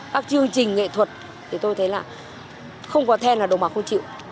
các chương trình nghệ thuật thì tôi thấy là không có then là đồ mà không chịu